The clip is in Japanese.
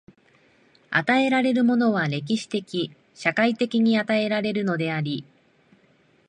与えられるものは歴史的・社会的に与えられるのであり、